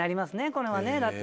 これはね。